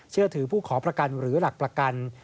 เชื่อถือผู้ขอประกันหรือหลักประกัน